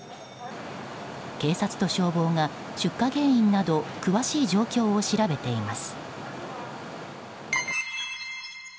警察と消防が出火原因など詳しい状況を調べています。